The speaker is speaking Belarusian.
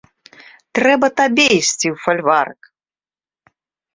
Трэба табе ісці ў фальварак!